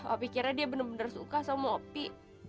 opi kira dia bener bener suka sama opi